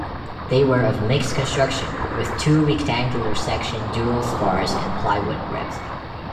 They were of mixed construction with two rectangular section dural spars and plywood ribs.